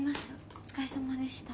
お疲れさまでした。